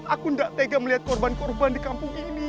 aku tidak tega melihat korban korban di kampung ini